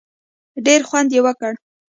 ډېر خوند یې وکړ.